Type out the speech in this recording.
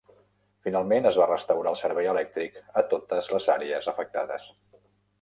Finalment es va restaurar el servei elèctric a totes les àrees afectades.